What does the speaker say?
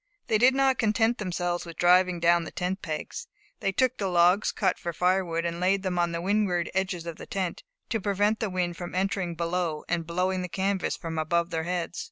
They did not content themselves with driving down the tent pins; they took the logs cut for firewood, and laid them on the windward edges of the tent, to prevent the wind from entering below and blowing the canvas from above their heads.